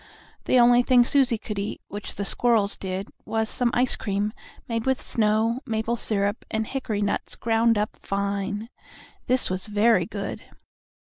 The only thing Susie could eat which the squirrels did was some ice cream, made with snow, maple syrup and hickory nuts ground up fine. This was very good.